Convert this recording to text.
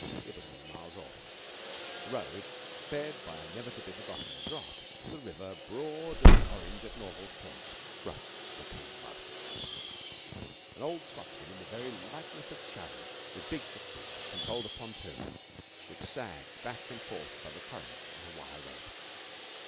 It was many miles off. The road fed by a never to be forgotten drop, to a river broad as the Orange at Norval's Pont, rustling between mud hills. An old Scotchman, in the very likeness of Charon, with big hip boots, controlled a pontoon, which sagged back and forth by current on a wire rope.